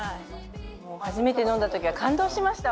初めて飲んだ時は感動しました